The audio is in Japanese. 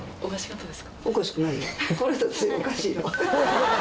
おかしくないよ。